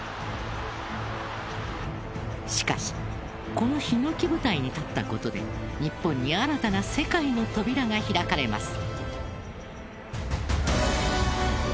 しかし、このひのき舞台に立ったことで日本に新たな世界の扉が開かれます。